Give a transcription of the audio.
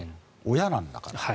親なんだから。